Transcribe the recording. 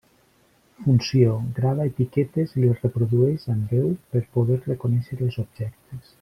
Funció: grava etiquetes i les reprodueix amb veu per poder reconèixer els objectes.